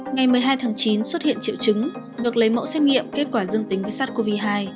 ngày một mươi hai tháng chín xuất hiện triệu chứng được lấy mẫu xét nghiệm kết quả dương tính với sars cov hai